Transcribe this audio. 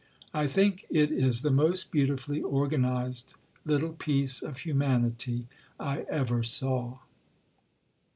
I think it is the most beautifully organized little piece of humanity I ever saw."